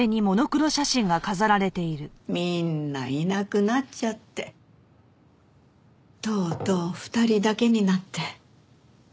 みんないなくなっちゃってとうとう２人だけになって。